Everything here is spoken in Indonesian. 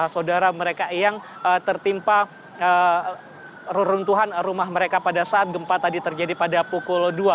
saudara mereka yang tertimpa reruntuhan rumah mereka pada saat gempa tadi terjadi pada pukul dua